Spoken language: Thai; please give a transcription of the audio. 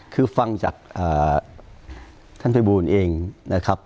คือฟังจากอ่าท่านพลวยบูรณ์เองนะครับ